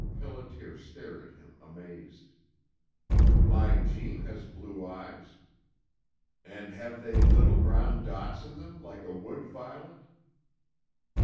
Pelliter stared at him amazed. "My Jeanne has blue eyes " "And have they little brown dots in them like a wood violet?"